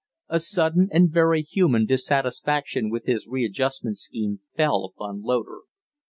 A sudden and very human dissatisfaction with his readjustment scheme fell upon Loder.